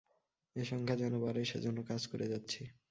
এ সংখ্যা যেন বাড়ে, সে জন্য কাজ করে যাচ্ছি।